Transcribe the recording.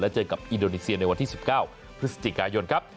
เจอกับอินโดนีเซียในวันที่๑๙พฤศจิกายนครับ